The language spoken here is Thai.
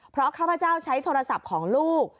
เพราะข้าพเจ้าใช้โทรศัพท์ของลูก